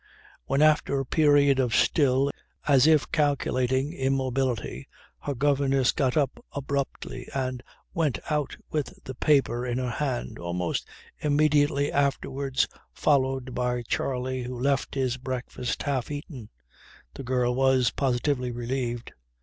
When after a period of still, as if calculating, immobility, her governess got up abruptly and went out with the paper in her hand, almost immediately afterwards followed by Charley who left his breakfast half eaten, the girl was positively relieved.